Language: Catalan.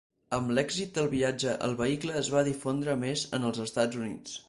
Amb l'èxit del viatge el vehicle es va difondre més en els Estats Units.